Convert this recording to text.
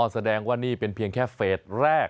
แสดงว่านี่เป็นเพียงแค่เฟสแรก